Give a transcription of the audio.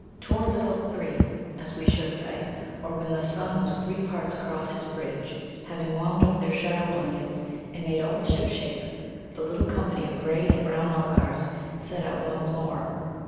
Towards about three, as we should say, or when the sun was three parts across his bridge, having wound up their shadow blankets and made all shipshape, the little company of grey and brown Mulgars set out once more.